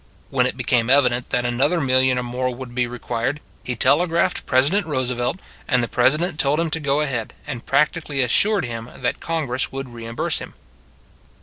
When it became evident that another million or more would be required, he tele graphed President Roosevelt, and the President told him to go ahead, and prac tically assured him that Congress would reimburse him.